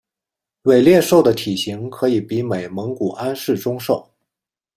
伟鬣兽的体型可以比美蒙古安氏中兽。